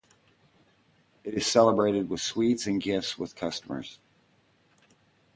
It is celebrated with sweets and gifts with customers.